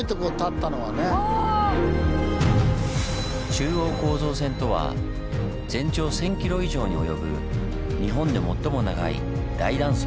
中央構造線とは全長１０００ｋｍ以上に及ぶ日本で最も長い大断層。